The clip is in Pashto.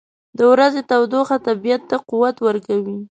• د ورځې تودوخه طبیعت ته قوت ورکوي.